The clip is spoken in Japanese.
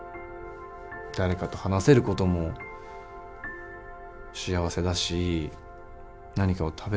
誰かと話せることも幸せだし何かを食べられることも幸せだし。